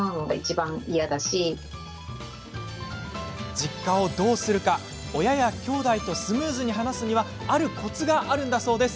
実家をどうするか親やきょうだいとスムーズに話すにはあるコツがあるんだそうです。